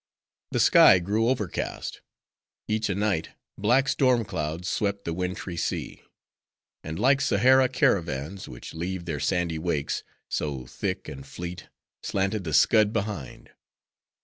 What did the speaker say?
The sky grew overcast. Each a night, black storm clouds swept the wintry sea; and like Sahara caravans, which leave their sandy wakes— so, thick and fleet, slanted the scud behind.